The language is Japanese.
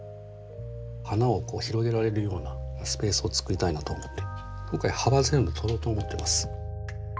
花を広げられるようなスペースをつくりたいなと思って今回葉は全部取ろうと思ってます。